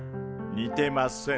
にてません。